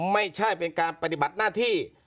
ไม่ใช่เป็นการปฏิบัติหน้าที่